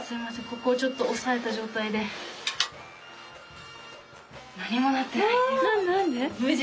ここをちょっと押さえた状態で何もなってない！